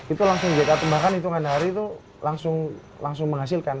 itu langsung dikatakan bahkan hitungan hari itu langsung menghasilkan